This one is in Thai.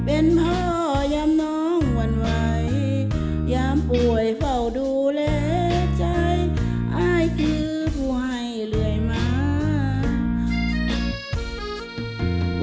เป็นพ่อยามน้องหวั่นไหวยามป่วยเฝ้าดูแลใจอายคือป่วยเรื่อยมา